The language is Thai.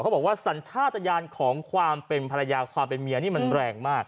บอกว่าสัญชาติยานของความเป็นภรรยาความเป็นเมียนี่มันแรงมาก